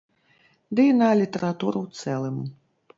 Ды і на літаратуру ў цэлым.